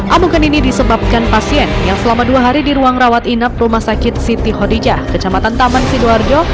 amukan ini disebabkan pasien yang selama dua hari di ruang rawat inap rumah sakit siti hodijah kecamatan taman sidoarjo